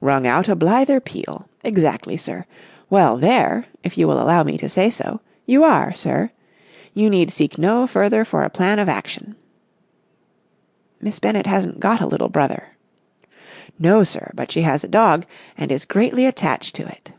"Rung out a blither peal. Exactly, sir. Well, there, if you will allow me to say so, you are, sir! You need seek no further for a plan of action." "Miss Bennett hasn't got a little brother." "No, sir. But she has a dog, and is greatly attached to it."